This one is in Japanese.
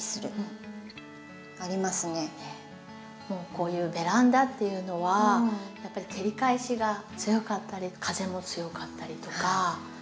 こういうベランダっていうのはやっぱり照り返しが強かったり風も強かったりとか。